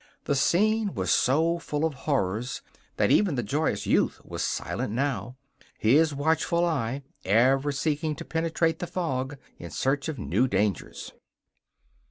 The scene was so full of horrors that even the joyous youth was silent now, his watchful eye ever seeking to penetrate the fog in search of new dangers.